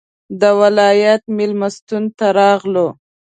د ولایت مېلمستون ته راغلو.